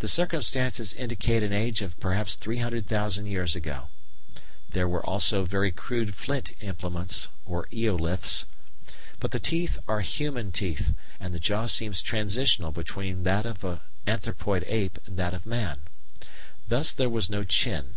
The circumstances indicate an age of perhaps 300,000 years ago. There were also very crude flint implements (or eoliths). But the teeth are human teeth, and the jaw seems transitional between that of an anthropoid ape and that of man. Thus there was no chin.